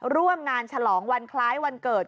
ร่วมงานฉลองวันคล้ายวันเกิด